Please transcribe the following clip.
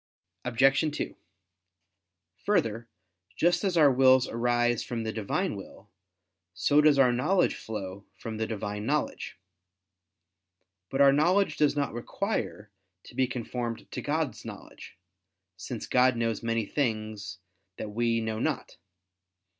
Obj. 2: Further, just as our wills arise from the Divine will, so does our knowledge flow from the Divine knowledge. But our knowledge does not require to be conformed to God's knowledge; since God knows many things that we know not.